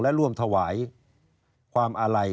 และร่วมถวายความอาลัย